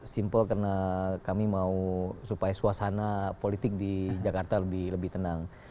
simple karena kami mau supaya suasana politik di jakarta lebih tenang